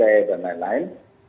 dan ya juga dan lain lain